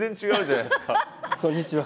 こんにちは。